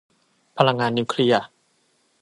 พลังงานนิวเคลียร์